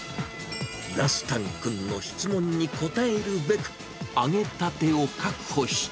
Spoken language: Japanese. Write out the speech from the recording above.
ダスタン君の質問に答えるべく、揚げたてを確保して。